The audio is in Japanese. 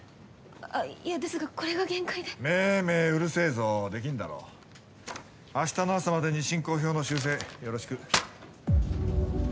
あっいえですがこれが限界でメェメェうるせぇぞできんだろ明日の朝までに進行表の修正よろしく。